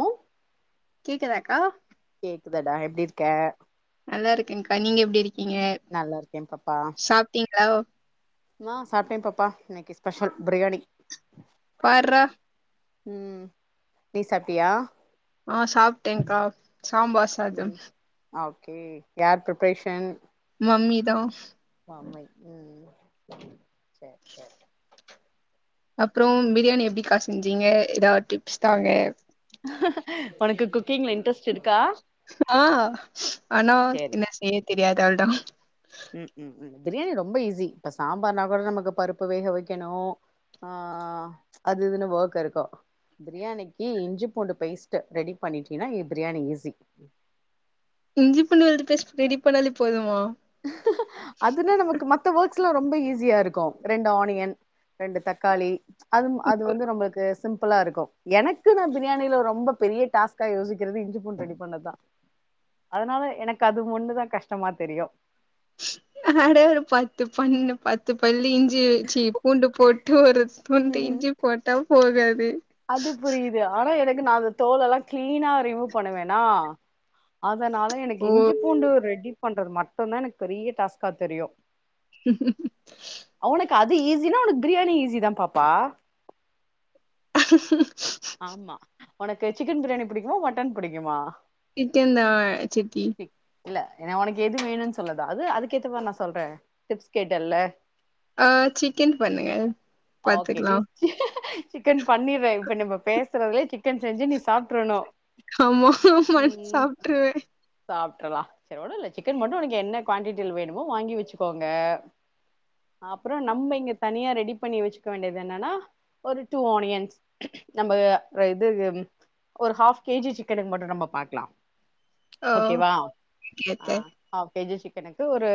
ஒ கேக்குதாக்கா கேக்குதாடா எப்டி இருக்க நல்லா இருக்கேங்க்கா நீங்க எப்டி இருக்கீங்க நல்லாருக்கே பாப்பா சாப்ட்டீங்களா ஆ சாப்டே பாப்பா இன்னைக்கு ஸ்பெஷல் பிரியாணி பார்ரா ம் நீ சாப்ட்டியா ஆ சாப்ட்டேங்கா சாம்பார் சாதம் ம் ஓகே யார் ப்ரிப்பரேஷன் மம்மி தா ஆமை ம் சர் சர் அப்புறோ பிரியாணி எப்டி கா செஞ்சீங்க ஏதாது டிப்ஸ் தாங்க ஒனக்கு குக்கிங்ல இன்ட்ரெஸ்ட் இருக்கா ஆ ஆனா சேரி என்ன செய்ய தெரியாது அவள்தா ம் ம் ம் பிரியாணி ரொம்ப ஈஸி இப்ப சாம்பார்னா கூட நமக்கு பருப்பு வேக வெக்கணு ஆ அது இதுனு வோக் இருக்கு பிரியாணிக்கு இஞ்சி பூண்டு பேஸ்ட்டு ரெடி பண்ணிட்டீன்னா இ பிரியாணி ஈஸி இஞ்சி பூண்டு விழுது பேஸ்ட் ரெடி பண்ணாலே போதுமா அதுனா நமக்கு மத்த ஒர்க்ஸ் எல்லா ரொம்ப ஈஸியா இருக்கு ரெண்டு ஆனியன் ரெண்டு தக்காளி அது அது வந்து நம்மளுக்கு சிம்பிளா இருக்கு எனக்கு நா பிரியாணியில ரொம்ப பெரிய டாஸ்கா யோசிக்கிறது இஞ்சிப்பூண் ரெடி பண்ணதா அதனால எனக்கு அது ஒன்னுதா கஷ்டமா தெரியு அட பத்து பண்ணு பத்து பல்லு இ்ஞ்சி சீ பூண்டு போட்டு ஒரு துண்டு இஞ்சி போட்டா போதாது அது புரியுது ஆனா எனக்கு நா அந்த தோலெல்லா கிளீனா ரிமூவ் பண்ணுவேனா அதனால எனக்கு ஓ இஞ்சி பூண்டு ரெடி பண்றது மட்டுந்தா எனக்கு பெரிய டாஸ்க்கா தெரியு [inaudible] ஒனக்கு அது ஈஸினா ஒனக்கு பிரியாணி ஈஸிதா பாப்பா ஆமா ஒனக்கு சிக்கன் பிரியாணி புடிக்குமா மட்டன் புடிக்குமா சிக்கன்தா சித்தி இல்ல ஏனா ஒனக்கு எது வேணுனு சொல்லதா அது அதுக்கேத்த மாரி நா சொல்றே டிப்ஸ் கேட்டேல்ல அ சிக்கன் பண்ணுங்க ஓகே பாத்துக்கலா சிக்கன் பண்ணிருரே இப்ப நம்ம பேசுறதுலயே சிக் சிக்கன் செஞ்சு நீ சாப்ட்ரணு ஆமா ஆமான்னு ம் சாப்ட்டுருவேன். சாப்ட்ரலா சரி ஒண்ணு இல்ல சிக்கன் மட்டு ஒனக்கு என்ன குவான்டிட்டில வேணுமோ வாங்கி வச்சுக்கோங்க அப்றோ நம்ம இங்க தனியா ரெடி பண்ணி வெச்சுக்க வேண்டியது என்னன்னா ஒரு டூ ஆனியன்ஸ் நம்ப இது ஒரு ஹாஃப் கேஜி சிக்கனுக்கு மட்டு நம்ம பாக்லா ஓ ஓகேவா ஓகே அ ஓகே. ஆஃப் கேஜி சிக்கனுக்கு ஒரு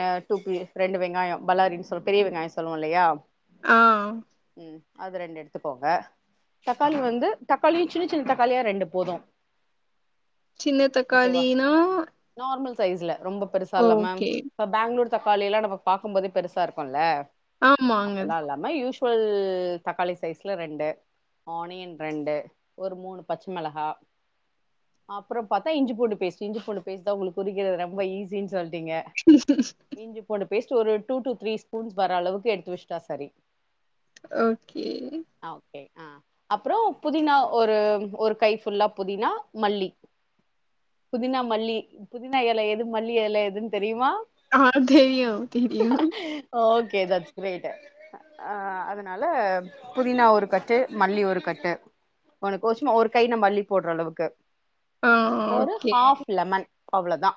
ஆ டூ பி ரெண்டு வெங்காயொ பல்லாரினு சொல் பெரிய வெங்காய சொல்லுவோலையா ஆ ம் அது ரெண்டு எடுத்துக்கோங்க தக்காளி வந்து தக்காளியு சின்னச் சின்ன தக்காளியா ரெண்டு போது சின்ன ஓகேவா தக்காளினா நார்மல் சைஸ்ல ரொம்ப பெருசா இல்லாம ஓகே. இப்ப பேங்ளூர் தக்காளில்லா நம்ம பாக்கும் போதே பெருசா இருக்குல்ல ஆமாங்க மாரி யூஷ்வல் தக்காளி சைஸ்ல ரெண்டு ஆனியன் ரெண்டு ஒரு மூணு பச்ச மெளகா அப்றோ பாத்தா இஞ்சிபூண்டு பேஸ்ட்டு இஞ்சிபூண்டு பேஸ்ட்டுதா உங்களுக்கு உரிக்கறது ரொம்ப ஈஸின்னு சொல்ட்டீங்க [inaudible] இஞ்சி பூண்டு பேஸ்ட் ஒரு டூ டூ த்ரீ ஸ்பூன்ஸ் வர அளவுக்கு எடுத்து வெச்சுட்டா சரி ஓகே அ அ அப்றோ புதினா ஒரு ஒரு கை ஃபுல்லா புதினா மல்லி புதினா மல்லி புதினா எலை எது மல்லி எலை எதுன்னு தெரியுமா அ தெரியு தெரியு ஓகே தட்ஸ் கிரேட் அ அதனால புதினா ஒரு கட் ட்டு மல்லி ஒரு கட்டு உனக்கு சும்மா ஒரு கை ‌நம்ம அள்ளிப் போடுற அளவுக்கு ஆ ஒரு ஓகே. ஹாஃப் லெமன் அவ்ளோதா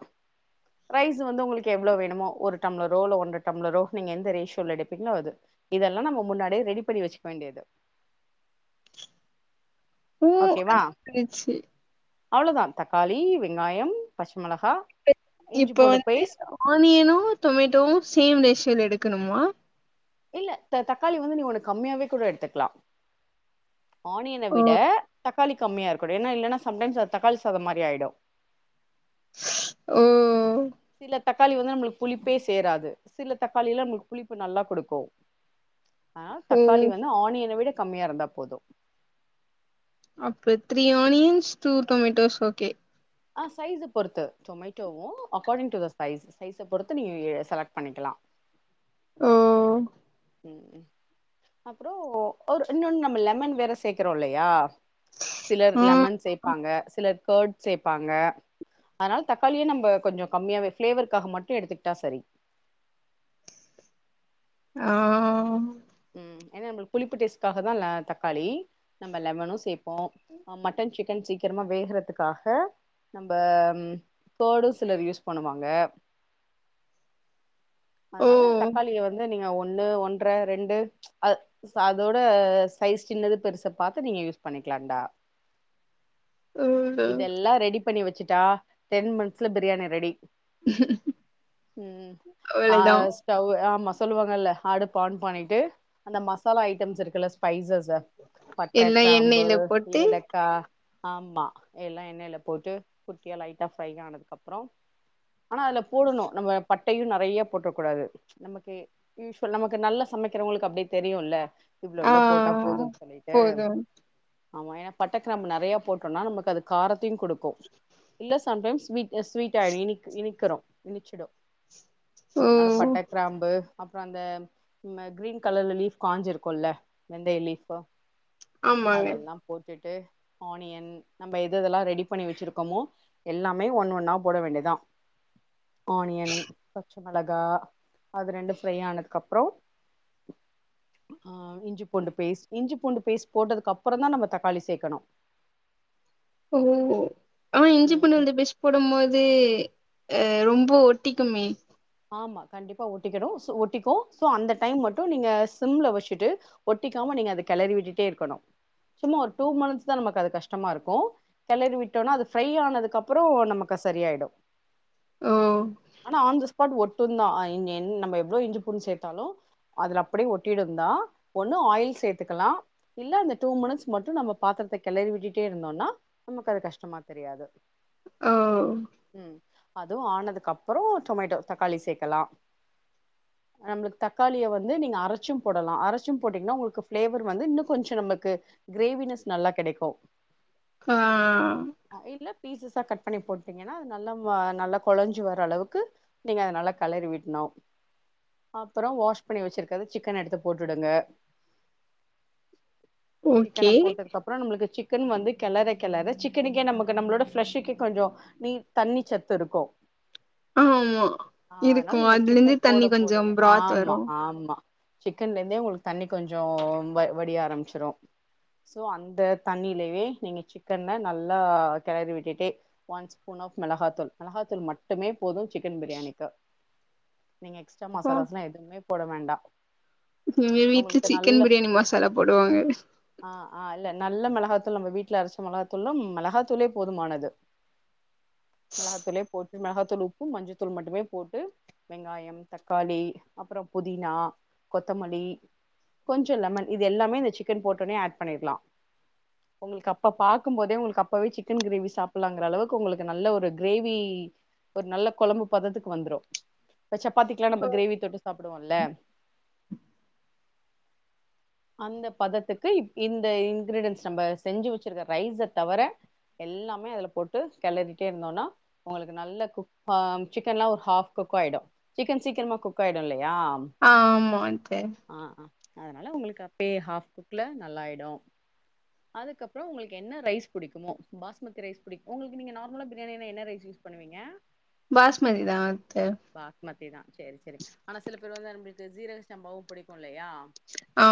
ரைஸ் வந்து உங்களுக்கு எவ்ளோ வேணுமோ ஒரு டம்ளரோ இல்ல ஒன்ற டம்ளரோ நீங்க எந்த ரேஷியோல எடுப்பீங்களோ அது இதெல்லா நம்ம முன்னாடியே ரெடி பண்ணி வெச்சுக்க வேண்டியது ஓ! ஓகேவா அது புரிச்சு. அவ்ளோதா தக்காளி வெங்காயம் பச்ச மெளகா இப்ப வந்து ஆனியனு டொமேட்டோவு சேம் ரேஷியோல எடுக்கணுமா இல்ல தக்காளி வந்து நீ ஒன்னு கம்மியாவே கூட எடுத்துக்கலா ஆனியன ஓ! விட தக்காளி கம்மியா இருக்கனு ஏன்னா இல்லன்னா சம் டைம்ஸ் அது தக்காளி சாதம் மாதிரி ஆயிடு ஓ சில தக்காளி வந்து நம்ளுக்கு புளிப்பே சேராது சில தக்காளி எல்லா நம்ளுக்கு புளிப்பு நல்லா குடுக்கு ஆனா ஓ! தக்காளி வந்து ஆனியன விட கம்மியா இருந்தா போதும் அப்பே three onions two tomatoes okay ஆ சைஸா பொறுத்து டொமேட்டோவும் அகார்டிங் டு த சைஸ் சைஸா பொறுத்து நீங்க செலக்ட் பண்ணிக்கலா ஓ அப்றோ ஒரு இன்னொன்னு நம்ம லெமன் வேற சேக்றோம் இல்லயா சிலர் ஆ. லெமன் சேப்பாங்க சிலர் கேர்ட் சேப்பாங்க அதனால தக்காளியே நம்ம கொஞ்சம் கம்மியாவே ஃளேவர்கக்காக மட்டும் எடுத்துக்கிட்டா சரி ஆ ம் ஏன்னா நம்ளுக்கு புளிப்பு டேஸ்ட்காக தான் தக்காளி நம்ம லெவனும் சேப்போம் ஹ மட்டன் சிக்கன் சீக்கிரமா வேகறதுக்காக நம்ப ம் கேடு சிலர் யூஸ் பண்ணுவாங்க ஓ! அதனால தக்காளிய வந்து நீங்க ஒண்ணு ஒன்ரெ ரெண்டு அ அதோட சைஸ் சின்னது பெருசா பாத்து நீங்க யூஸ் பண்ணிக்கலான்டா ஓ! இதெல்லா ரெடி பண்ணி வெச்சிட்டா டென் மின்ஸ்ல பிரியாணி ரெடி ம் ஆ அவ்ளதான். ஸ்டவ் ஆமா சொல்லுவங்கல்ல ஆடுப்பு ஆன் பண்ணிட்டு அந்த மசாலா ஐட்டம்ஸ் இருக்குல்ல ஸ்பைஸஸு பட்ட எல்லா கிராம்பு எண்ணெயில போட்டு ஏலக் கா ஆமா எல்லாம் எண்ணெயில போட்டு குட்டியா லைட்டா ஃப்ரை ஆனதுக்கு அப்றோ ஆனா அதுல போடணு நம்ம பட்டையும் நெறைய போட்றக் கூடாது நமக்கு யூஸ்வல் நமக்கு நல்ல சமெக்கிறவங்களுக்கு அப்டே தெரியும்ல்ல இவ்ளோ ஆ இவ்ளோ போட்டா போதும்ன்னு சொல்லிட்டு போது ஆமா ஏனா பட்ட கிராம்பு நெறைய போட்டோம்னா நமக்கு அது காரத்தையும் கொடுக்கும் இல்ல சம்டைம்ஸ் ஸ்வீட் ஆய்டு இனிக் இனிக்கிறோம் இனிச்சிடும் ஓ அதனால பட்ட கிராம்பு அப்பறம் அந்த கிரீன் கலர்ல லீப் கஞ்சிருக்கும் இல்லா வெந்தய லீஃப் ஆமாங்க அதெல்லாம் போட்டுட்டு ஆனியன் நம்ம எத எதெல்லா ரெடி பண்ணி வெச்சிருக்கோமோ எல்லாமே ஒன்னு ஒன்னா போட வேண்டியதா ஆனியன் பச்ச மிளகா அது ரெண்டு ஃப்ரை ஆனதுக்கு அப்றோ ஆ இஞ்சி பூண்டு பேஸ்ட் இஞ்சி பூண்டு பேஸ்ட் போட்டதுக்கு அப்பறம் தான் நம்ம தக்காளி சேக்கணு ஓ ஆ இஞ்சி ம் பூண்டு ம் உள்ளி பெஸ்ட் போடும்போது ரொம்ப ஒட்டிக்குமே ஆமா கண்டிப்பா ஒட்டிக்கிடும் ஒட்டிக்கும் சோ அந்த டைம் மட்டும் நீங்க சிம்ல வெச்சுட்டு ஒட்டிக்காம நீங்க அத கிளறி விட்டுட்டே இருக்கணு சும்மா ஒரு டூ மிநீட்ஸ் தான் நமக்கு அது கஷ்டமா இருக்கு கிளறி விட்டோனா அது ஃப்ரை ஆனதுக்கு அப்பறோ நமக்கு அது சரியாயிடும் ஓ ஆனா ஆன் த ஸ்பாட் ஒட்டுந்தா அ இன் இன் நம்ம எவ்ளோ இஞ்சி பூண்டு சேத்தாலு அதுல அப்டியே ஒட்டிடும்ந்தா ஒண்ணு ஆயில் சேத்துக்கலாம் இல்ல இந்த டூ மினிட்ஸ் மட்டும் நம்ம பாத்திரத்தை கிளறி விட்டுட்டே இருந்தோன்னா நமக்கு அது கஷ்டமா தெரியாது ஹ ம் அதும் ஆனதுக்கு அப்பறம் டொமேட்டோ தக்காளி சேர்க்கலாம் நம்மளுக்கு தக்காளிய வந்து நீங்க அரைச்சும் போடலா அரைச்சும் போட்டீங்கன்னா உங்களுக்கு ஃப்ளேவர் வந்து இன்னும் கொஞ்சம் நமக்கு க்ரேவினஸ் நல்லா கெடைக்கு ஆ இல்ல பீசஸா கட் பண்ணி போட்டீங்கன்னா அது நல்லா வ நல்லா கொழஞ்சு வர அளவுக்கு நீங்க அத நல்ல களறி விட்டனும் அப்பறம் வாஷ் பண்ணி வெச்சிருக்கது சிக்கன் எடுத்து போட்டுடுங்க சிக்கன ஓகே போட்டு கப்பறம் நம்மளுக்கு சிக்கன் வந்து கிளற கிளற சிக்கனுக்கே நமக்கு நம்மளோட ஃப்ளஷுக்கே கொஞ்சோ நீர் தண்ணிச் சத்து இருக்கும் ஆமா ஆ இருக்கு அதனால நீங்க அதுல இருந்து சிக்கன் போட தண்ணி கொஞ்சோ போடவே பிராத் வரு சிக்கன்லருந்தே உங்களுக்கு தண்ணி கொஞ்சோ வ வடிய ஆரம்பிச்சிரு சோ அந்த தண்ணிலவே நீங்க சிக்கன நல்லா கெளறி விட்டுட்டே ஒன் ஸ்பூன் ஆஃப் மெளகாத்தூள் மெளகாத்தூள் மட்டுமே போது சிக்கன் பிரியாணிக்கு நீங்க எக்ஸ்ட்ரா ஆ மசாலாஸ்ல்லா எதுமே போட வேண்டா எங்க வீட்ல உங்களுக்கு சிக்கன் நல்ல பிரியாணி மசாலா போடுவாங்க ஆ ஆ இல்ல நல்ல மெளாகாத்தூள் நம்ம வீட்ல அரச்ச மெளகாத்தூள்னா ம் மெளகாத்தூளே போதுமானது மெளகாத்தூளே போட்டு மெளகாத்தூள் உப்பு மஞ்சத்தூள் மட்டுமே போட்டு வெங்காயம் தக்காளி அப்புறோ புதினா கொத்தமல்லி கொஞ்சோ லெமன் இது எல்லாமே இந்த சிக்கன் போட்டோனே ஆட் பண்ணிடலா உங்களுக்கு அப்ப பாக்கு போதே உங்களுக்கு அப்பவே சிக்கன் கிரேவி சாப்பிலாங்கிற அளவுக்கு உங்களுக்கு நல்ல ஒரு கிரேவி ஒரு நல்ல கொழம்பு பதத்துக்கு வந்துரு இப்ப சப்பாத்திகெல்லா நம்ம கிரேவி தொட்டு சாப் கூப்டுவோல அந்த பதத்துக்கு இந்த இன்கிரீடியன்ஸ் நம்ப செஞ்சு வச்சிருக்க ரைஸ தவர எல்லாமே அதுல போட்டு கெளறிட்டே இருந்தோனா உங்களுக்கு நல்ல குக் ஆ சிக்கன் எல்லா ஒரு ஹாஃப் குக் ஆயிடு சிக்கன் சீக்கிரமா குக் ஆயிடு இல்லையா ஆ ஆமாந் த்த ஆ ஆ அதனால உங்களுக்கு அப்பயே ஹாஃப் குக்ல நல்லாயிடு அதுக்கப்பறோ உங்களுக்கு என்ன ரைஸ் புடிக்குமோ பாஸ்மதி ரைஸ் புடிக்கு உங்களுக்கு நீங்க நார்மலா பிரியாணினா என்ன ரைஸ் யூஸ் பண்ணுவீங்க பாஸ்மதிதா அத்த பாஸ்மதி தா சேரி சேரி ஆனா சில பேர் வந்து நம்ளுக்கு ஜீரக சம்பாவு புடிக்கு இல்லையா ஆ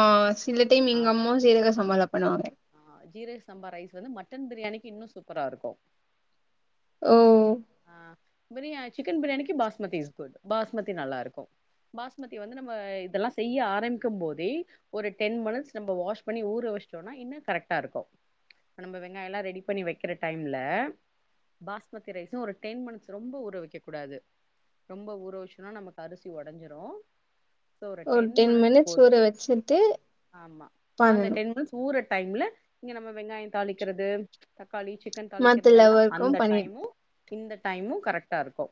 சில டைம் ஆ எங்க அம்மாவு சீரக சம்பாள பண்ணுவாங்க ஆ ஜீரக சாம்பா ரைஸ் வந்து மட்டன் பிரியாணிக்கு இன்னு சூப்பரா இருக்கு ஓ ஆ பிரியா சிக்கன் பிரியாணிக்கு பாஸ்மதி இஸ் குட் பாஸ்மதி நல்லா இருக்கு பாஸ்மதி வந்து நம்ம இதெல்லாம செய்ய ஆரம்பிக்கு போதே ஒரு டென் மினிட்ஸ் நம்ப வாஷ் பண்ணி ஊற வச்சுட்டோனா இன்னு கரெக்டா இருக்கு நம்ம இப்ப வெங்காய ல்லா ரெடி பண்ணி வைக்கிற டைம்ல பாஸ்மதி ரைஸு ஒரு டென் மினிட்ஸ் ரொம்ப ஊற வக்க கூடாது ரொம்ப ஊற வச்சோனா நமக்கு அரிசி ஒடஞ்சிரு ஒரு டென் மினிட்ஸ் ஊற வச்சுட்டு ஆமா அந்த பண்ணணு டென் மினிட்ஸ் ஊற டைம்ல இங்க நம்ம வெங்காய தாளிக்கிறது தக்காளி சிக்கன் மத்த தொலைக்கிறதெல்லா லெவருக்கு அந்த பண்ணி டைமு இந்த இன்னும் கரெக்ட்டா இருக்கும்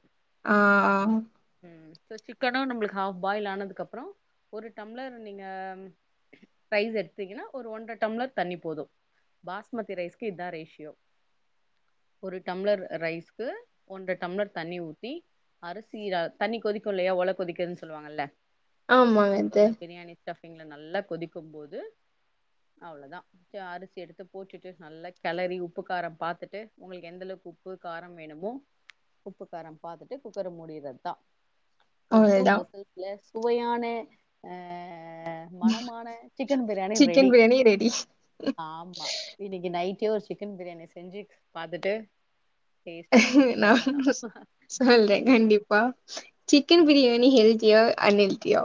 ஆ ஆ ம் சோ சிக்கனு நம்மளுக்கு ஹாஃப் பாயில் ஆனதுக்கு அப்பறோ ஒரு டம்ளர் நீங்க ரைஸ் எடுத்தீங்கன்னா ஒரு ஒன்றரை டம்ளர் தண்ணி போது பாஸ்மதி ரைஸ்க்கு இதா ரேஷியோ ஒரு டம்ளர் ரைஸ்க்கு ஒன்ற டம்ளர் தண்ணி ஊத்தி அரிசி த தண்ணி கொதிக்கு இல்லையா ஒல கொதிக்குதின்னு சொல்லுவாங்கல்ல ஆமாங்க சோ இது இந்த பிரியாணி ஸ்டஃபிங்ல நல்லா கொதிக்கு போது அவ்ளோதா ஜா அரிசி எடுத்து போட்டுட்டு நல்லா கெளரி உப்பு கார பாத்துட்டு உங்களுக்கு எந்த அளவுக்கு உப்பு கார வேணுமோ உப்பு கார பாத்துட்டு குக்கர மூடியறது தா ஒரு டூ அவ்ளதா விசில் இல்ல சுவையான அ மணமான chicken biryani chicken ready biryani ready ஆமா இன்னைக்கி நைட்டே ஒரு சிக்கன் பிரியாணி செஞ்சு பாத்துட்டு டேஸ்ட் பாத்துட்டு நா சொல்லணு மிஸ் சொல்றே ம் கண்டிப்பா சிக்கன் ம் பிரியாணி ஹெல்தியா அன்ஹெல்தியா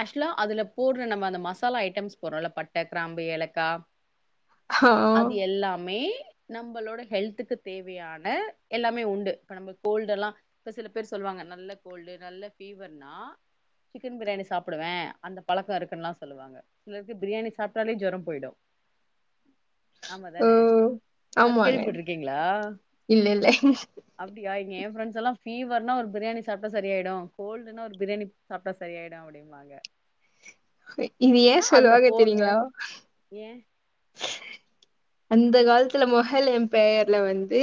ஆக்சுவ்லா அதுல போட்ற நம்ம அந்த மசாலா ஐட்டம்ஸ் போட்றோல பட்ட கிராம்பு ஏலக்கா ஆ அது எல்லாமே நம்மளோட ஹெல்த்துக்கு தேவையான எல்லாமே உண்டு இப்ப நம்ம கோல்டு எல்லா இப்ப சில பேர் சொல்லுவாங்க நல்ல கோல்டு நல்ல ஃபீவர்னா சிக்கன் பிரியாணி சாப்டுவே அந்த பழக்க இருக்குன்லா சொல்லுவாங்க சிலருக்கு பிரியாணி சாப்ட்டாலே ஜொர போயிடு உ ஆமா ஓ தான அது கேள்வி ஆமாங்க பட்டுருக்கீங்களா இல்ல இல்ல அப்டியா ஏ ஃரெண்ட்ஸ் எல்லா ஃபீவர்னா ஒரு பிரியாணி சாப்பிட்டா சரியாயிடு கோல்டுன்னா ஒரு பிரியாணி சாப்ட்டா சரி ஆயிடு அப்டிம்பாங்க இது ஏ ஏன்னா அதுல சொல்லுவாங்க போட்ற தெரியுங்களா ஏ அந்த காலத்துல மொஹல் எம்பயர்ல வந்து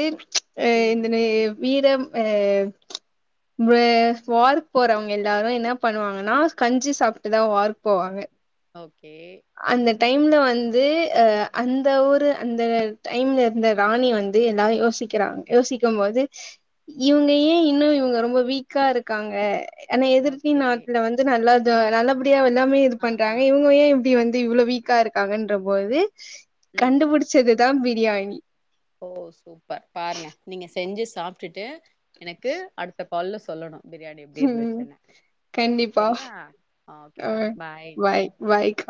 எ ம் இந்தனு வீரம் அ வெ வார்க் போறவங்க எல்லாரு என்ன பண்ணுவாங்கன்னா கஞ்சி சாப்பிட்டுதா வார்க்கு போவாங்க ஓகே அந்த டைம்ல வந்து அ அந்த ஊரு அந்த டைம்ல இருந்த ராணி வந்து எல்லாரு யோ யோசிக்கிறாங் யோசிக்கும் போது இவங்க ஏ இன்னு இவங்க ரொம்ப வீக்கா இருக்காங்க ஆனா எதிர்ரி ஓகே நாட்டுல வந்து நல்லாது நல்லபடியா எல்லாமே இது ஆ ஆ பண்றாங்க இவங்க ஏ து வந்து இவ்ளோ வீக்கா இருக்காங்கன்ற போது ம் கண்டுபிடிச்சது தா பிரியாணி ஓ சூப்பர் பாருங்க நீங்க செஞ்சு சாப்பிட்டுட்டு எனக்கு அடுத்த கால் ல சொல்லணு பிரியாணி எப்டி ம் இருந்துச்சுன்ன கண்டிப்பா செரியா ஆ ஓகேடா பாய் வய்க்க